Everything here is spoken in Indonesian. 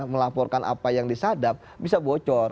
melaporkan apa yang disadap bisa bocor